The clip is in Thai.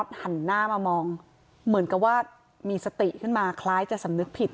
หันหน้ามามองเหมือนกับว่ามีสติขึ้นมาคล้ายจะสำนึกผิด